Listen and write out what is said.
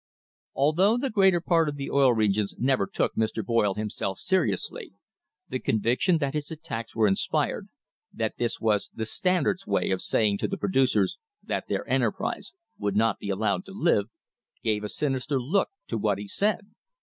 Although the greater part of the Oil Regions never took Mr. Boyle himself seriously, the conviction that his attacks were inspired, that this was the Standard's way of saying to the producers that their enterprise would not be allowed to live, gave a sinister look to what he said.